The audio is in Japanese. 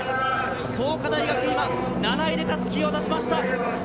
創価大学７位で襷を渡しました。